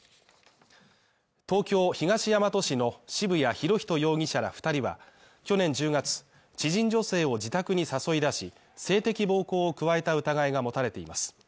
東京東大和市の渋谷博仁容疑者ら２人は去年１０月、知人女性を自宅に誘い出し、性的暴行を加えた疑いが持たれています。